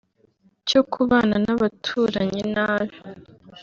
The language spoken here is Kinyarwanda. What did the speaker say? cyo kubana n’abaturanyi nabi